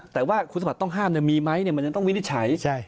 แต่ว่าคุณสมัครต้องห้ามมีไหมมันยังต้องวินิจฉัย